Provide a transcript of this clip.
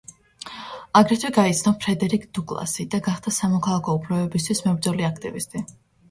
აგრეთვე გაიცნო ფრედერიკ დუგლასი და გახდა სამოქალაქო უფლებებისთვის მებრძოლი აქტივისტი.